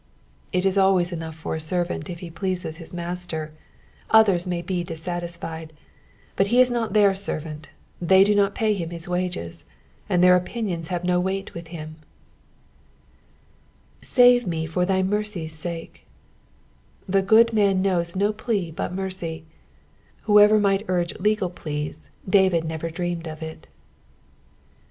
It ia always enough for a servant if be pleases his master ; others may be dissatisfied, but he is not their servant, they do not pay him his wages, and their opioiona have no weight with him, "Sane me for thy mereiei' safe," The good man knowa no plea but mercy ; whoever might urge legal pleas David never dreamed of it.